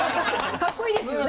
かっこいいですよね？